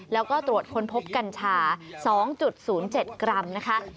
แล้วก็ตรวจค้นพบกัญชา๒๐๗กรัมนะคะ